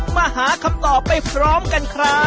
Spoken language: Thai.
มาหาคำตอบไปพร้อมกันครับ